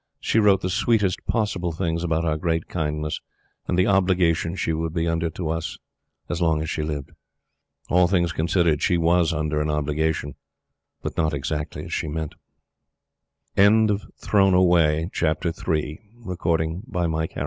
She wrote the sweetest possible things about our great kindness, and the obligation she would be under to us as long as she lived. All things considered, she WAS under an obligation; but not exactly as she meant. MISS YOUGHAL'S SAIS. When Man and Woman are agreed, what can the Kaz